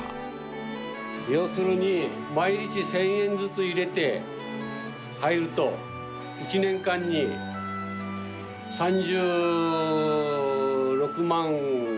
要するに毎日１０００円ずつ入れて入ると１年間に３６万５０００円かかるわけ。